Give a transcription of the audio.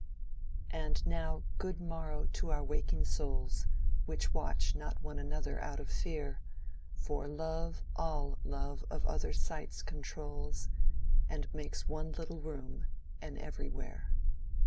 "And now good morrow to our waking souls Which watch not one another out of fear; For love all love of other sights controls, And makes one little room, an everywhere."